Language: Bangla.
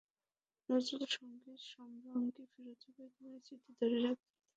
নজরুলসংগীত–সম্রাজ্ঞী ফিরোজা বেগমের স্মৃতি ধরে রাখতে তাঁর নামে পদক প্রবর্তন করল ঢাকা বিশ্ববিদ্যালয়।